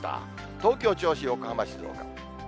東京、銚子、横浜、静岡。